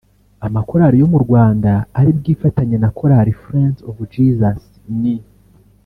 Amakorali yo mu Rwanda ari bwifatanye na korali Friends of Jesus ni